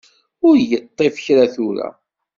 Ur y-iṭṭif kra tura.